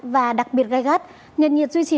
và đặc biệt gai gắt nhiệt nhiệt duy trì